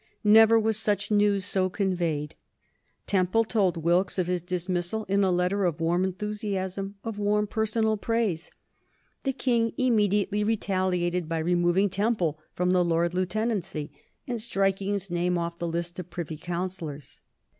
Never was such news so conveyed. Temple told Wilkes of his dismissal in a letter of warm enthusiasm, of warm personal praise. The King immediately retaliated by removing Temple from the Lord Lieutenancy and striking his name off the list of privy councillors.